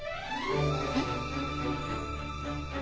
えっ。